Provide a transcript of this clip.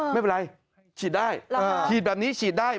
ไม่เป็นไรเชียดได้เชียดแบบนี้เชียดได้